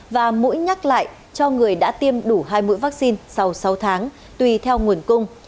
và mũi nhắc lại cho người đã tiêm đủ hai mũi vaccine sau sáu tháng tùy theo nguồn cung